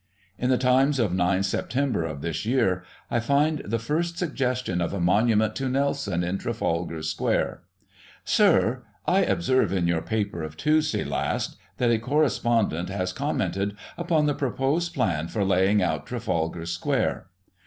In the Times of 9 Sep. of this year I find the first suggestion of a monument to Nelson, in Trafalg^ Square :" Sir, I observe in your paper of Tuesday last, that a corre spondent has commented upon the proposed plan for laying out Trafalgar Square.